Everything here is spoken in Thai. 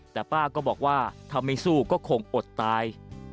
แต่ป้าก็บอกว่าถ้าไม่สู้ก็คงอดตาย